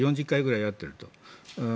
４０回ぐらい会っていると。